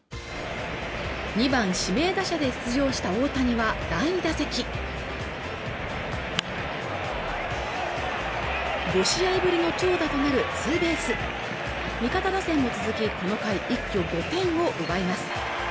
２番指名打者で出場した大谷は第２打席５試合ぶりの長打となるツーベース味方打線も続きこの回一挙５点を奪います